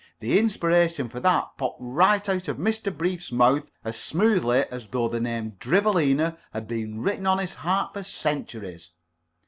The inspiration for that popped right out of Mr. Brief's mouth as smoothly as though the name Drivelina had been written on his heart for centuries.